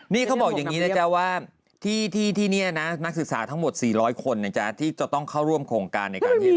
เนี่ยเขาบอกอย่างนี้นะว่านี่นี่นักศึกษาทั้งหมด๔๐๐คนที่จะต้องเข้าร่วมโครงการ